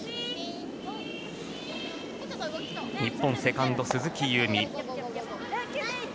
日本、セカンドは鈴木夕湖。